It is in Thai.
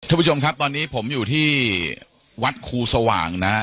ท่านผู้ชมครับตอนนี้ผมอยู่ที่วัดครูสว่างนะฮะ